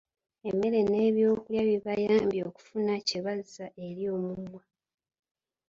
Emmere n’ebyokulya bibayambe okufuna kye bazza eri omumwa.